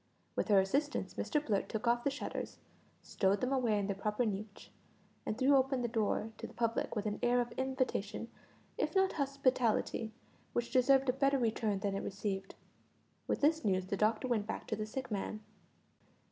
With her assistance Mr Blurt took off the shutters, stowed them away in their proper niche, and threw open the door to the public with an air of invitation, if not hospitality, which deserved a better return than it received. With this news the doctor went back to the sick man.